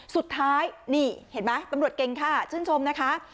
สุดท้ายนี่เห็นไหมตำรวจเก่งค่ะชื่นชมนะคะ